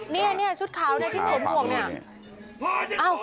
เนี่ยชุดข่าวที่สวมห่วงเนี่ย